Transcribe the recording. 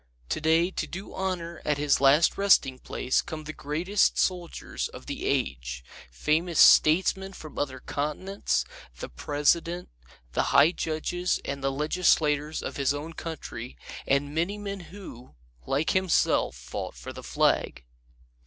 Today to do honor at his last resting place come the greatest soldiers of the age, famous statesmen from other continents, the President, the high judges and the legislators of his own country, and many men who, like himself, fought for the flag.